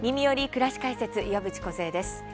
くらし解説」岩渕梢です。